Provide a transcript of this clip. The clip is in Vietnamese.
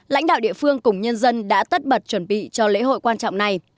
lãnh đạo địa phương cùng nhân dân đã tất bật chuẩn bị cho lễ hội quan trọng này